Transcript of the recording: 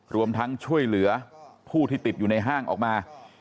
รวมทั้งช่วยเหลือผู้ที่ติดอยู่ในห้างออกมา